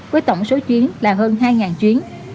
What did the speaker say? với tổng số chuyến là hơn hai chuyến